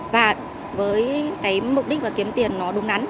và với cái mục đích và kiếm tiền nó đúng đắn